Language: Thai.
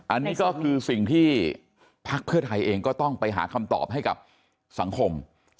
อันนี้ก็คือสิ่งที่พักเพื่อไทยเองก็ต้องไปหาคำตอบให้กับสังคม